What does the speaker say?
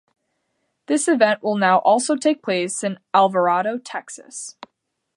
This event will now also take place in Alvarado, Texas.